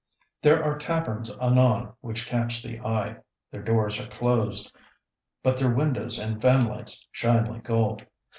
There are taverns anon which catch the eye. Their doors are closed, but their windows and fanlights shine like gold.